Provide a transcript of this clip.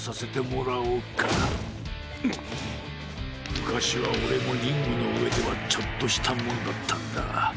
むかしはオレもリングのうえではちょっとしたもんだったんだ。